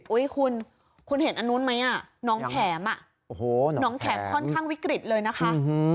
คุณคุณเห็นอันนู้นไหมน้องแข็มน้องแข็มค่อนข้างวิกฤตเลยนะคะ